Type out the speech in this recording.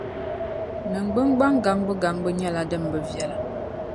Ningbungbaŋ gaŋbu gaŋbu nyɛla din bi viɛla.